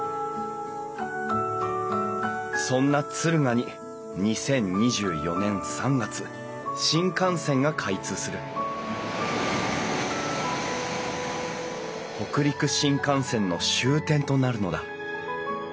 そんな敦賀に２０２４年３月新幹線が開通する北陸新幹線の終点となるのだ。